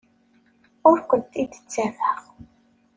Ur kent-id-ttafeɣ.